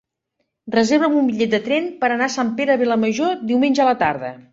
Reserva'm un bitllet de tren per anar a Sant Pere de Vilamajor diumenge a la tarda.